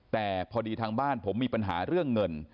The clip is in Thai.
แต่พอดีทางบ้านผมมีปัญหาเรื่องเงิน